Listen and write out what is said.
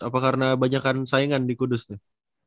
apa karena banyak kan saingan di kudus tuh